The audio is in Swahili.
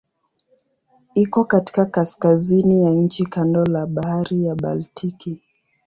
Iko katika kaskazini ya nchi kando la Bahari ya Baltiki.